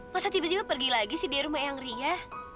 masa tiba tiba pergi lagi sih di rumah yang riah